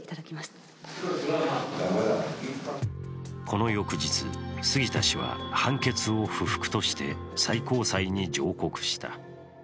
この翌日、杉田氏は判決を不服として最高裁に上告した。